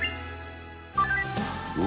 うわ！